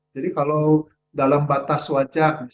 jadi kalau anda mau makan mie tidak perlu makan mie